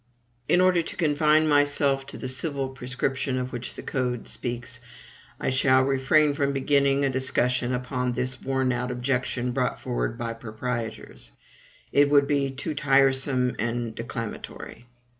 In order to confine myself to the civil prescription of which the Code speaks, I shall refrain from beginning a discussion upon this worn out objection brought forward by proprietors; it would be too tiresome and declamatory.